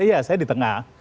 iya saya di tengah